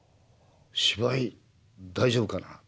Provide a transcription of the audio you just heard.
芝居大丈夫かな？